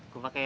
gua pake ya